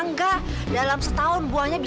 nanti nanti karirlah nanti